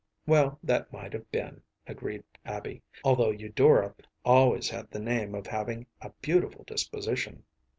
“Well, that might have been,‚ÄĚ agreed Abby, “although Eudora always had the name of having a beautiful disposition.